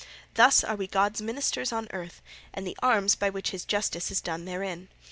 Thus are we God's ministers on earth and the arms by which his justice is done therein.